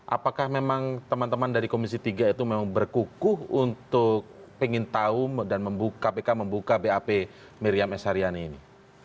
apakah memang teman teman dari komisi tiga itu memang berkukuh untuk ingin tahu dan membuka kpk membuka bap miriam s haryani ini